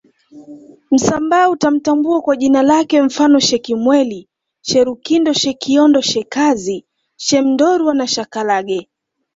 Msambaa utamtambua kwa jina lake mfano Shekimweli Sherukindo Shekiondo Shekazi Shemndorwa na shakalage